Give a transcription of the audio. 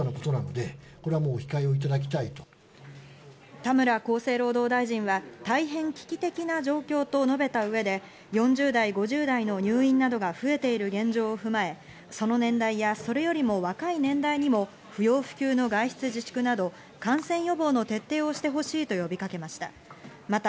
田村厚生労働大臣は、大変危機的な状況と述べた上で４０代、５０代の入院などが増えている現状を踏まえ、その年代やそれよりも若い年代にも不要不急の外出自粛など、感染予防の徹底をして欲しいと呼びかけました。